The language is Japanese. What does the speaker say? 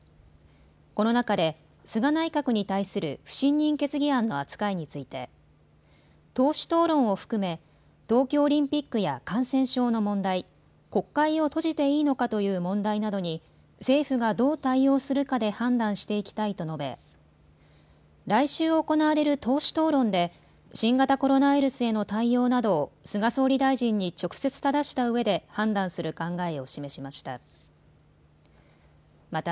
この中で菅内閣に対する不信任決議案の扱いについて党首討論を含め東京オリンピックや感染症の問題、国会を閉じていいのかという問題などに、政府がどう対応するかで判断していきたいと述べ来週行われる党首討論で新型コロナウイルスへの対応などを菅総理大臣に直接ただしたうえで判断する考えを示しました。